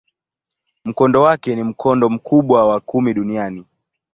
Mkondo wake ni mkondo mkubwa wa kumi duniani.